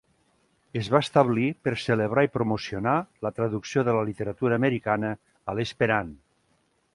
Es va establir per celebrar i promocionar la traducció de la literatura americana a l"esperant.